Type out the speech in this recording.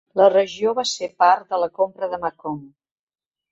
La regió va ser part de la compra de Macomb.